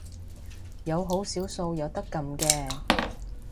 有好少數有得撳嘅